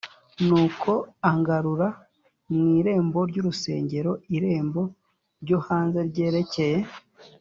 Nuko angarura mu irembo ry urusengero iremb ryo hanze ryerekeye